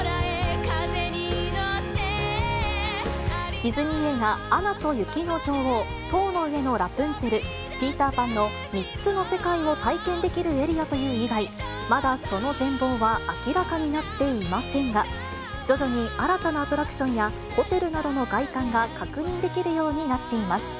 ディズニー映画、アナと雪の女王、塔の上のラプンツェル、ピーター・パンの３つの世界を体験できるエリアという以外、まだその全貌は明らかになっていませんが、徐々に新たなアトラクションやホテルなどの外観が確認できるようになっています。